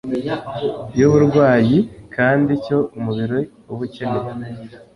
y’uburwayi, kandi icyo umubiri uba ukeneye